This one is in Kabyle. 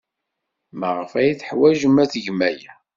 Maɣef ay teḥwajem ad tgem aya?